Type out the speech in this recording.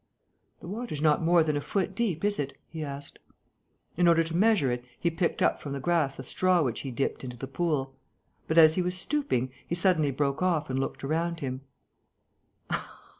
"The water's not more than a foot deep, is it?" he asked. In order to measure it, he picked up from the grass a straw which he dipped into the pool. But, as he was stooping, he suddenly broke off and looked around him.